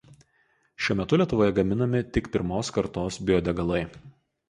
Šiuo metu Lietuvoje gaminami tik pirmos kartos biodegalai.